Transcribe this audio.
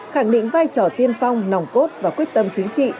khẳng định vai trò tiên phong nòng cốt và quyết tâm chính trị